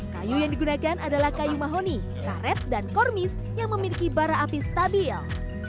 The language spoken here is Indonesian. kayu yang digunakan adalah kayu mahoni karet dan kormis yang memiliki bara api stabil